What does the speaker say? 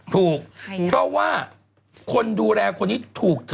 ถูกเพราะว่าคนดูแลคนนี้ถูกเธอ